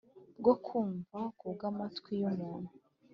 Bwo kumva nk ubw amatwi y umuntu